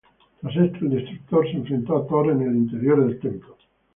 Tras esto, el Destructor se enfrentó a Thor en el interior del templo.